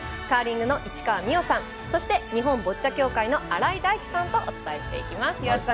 カーリングの市川美余さんそして日本ボッチャ協会の新井大基さんとお伝えしていきます。